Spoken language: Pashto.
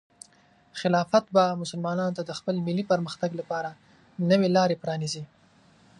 خلافت به مسلمانانو ته د خپل ملي پرمختګ لپاره نوې لارې پرانیزي.